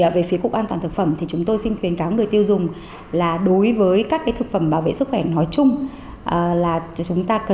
về phía cục an toàn thực phẩm chúng tôi xin khuyến cáo người tiêu dùng là đối với các thực phẩm bảo vệ sức khỏe nói chung